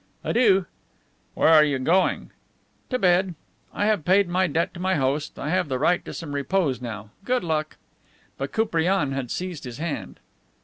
"Adieu." "Where are you going?" "To bed. I have paid my debt to my host. I have the right to some repose now. Good luck!" But Koupriane had seized his hand.